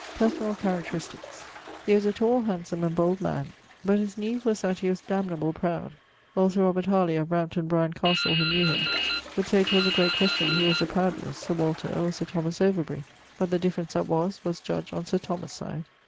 <_Personal characteristics._> He was a tall, handsome, and bold man: but his naeve was that he was damnable proud. Old Sir Robert Harley of Brampton Brian Castle, who knew him, would say 'twas a great question who was the proudest, Sir Walter, or Sir Thomas Overbury, but the difference that was, was judged on Sir Thomas' side.